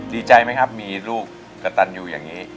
ดีใจไหมครับมีลูกกระตันอยู่อย่างนี้